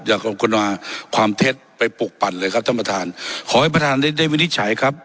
ขอบคุณคุณาความเท็จไปปลูกปั่นเลยครับท่านประธานขอให้ประธานได้ได้วินิจฉัยครับ